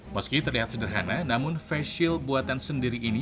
meski terlihat sederhana namun face shield buatan sendiri ini